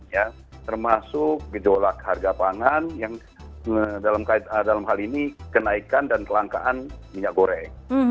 ya termasuk gejolak harga pangan yang dalam hal ini kenaikan dan kelangkaan minyak goreng